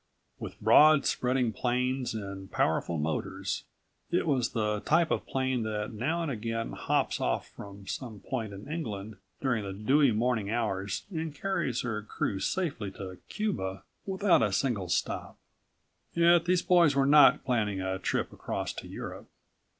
With broad spreading planes and powerful motors, it was the type of plane that now and again hops off from some point in England during the dewy morning hours and carries her crew safely to Cuba without a single stop. Yet these boys were not planning a trip across to Europe.